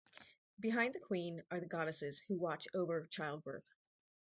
Behind the queen are the goddesses who watch over childbirth.